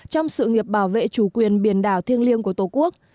trong sự nghiệp bảo vệ chủ quyền biển đảo thiêng liêng của tổ quốc